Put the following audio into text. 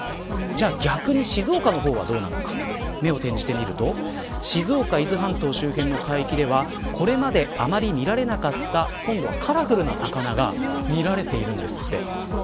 じゃあ逆に静岡の方はどうなのか目を転じてみると静岡、伊豆半島周辺の海域ではこれまであまり見られなかった今度はカラフルな魚が見られているんですって。